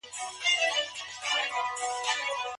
آیا ښځه په عقائدو کي مکلفه ده؟